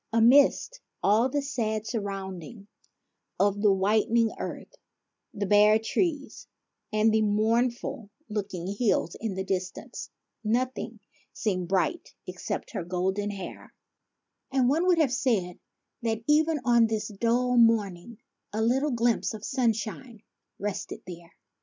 Amidst all the sad surrounding of the whitened earth, the bare trees, and the mournful looking hills in the distance, nothing seemed bright except her golden hair ; and one would have said that even on this dull morning a little glimpse of sunshine rested there.